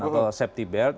atau safety belt